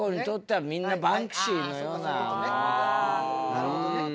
なるほどね。